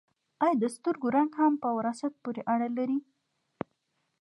ایا د سترګو رنګ هم په وراثت پورې اړه لري